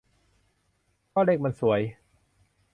ก็เลขมันสวย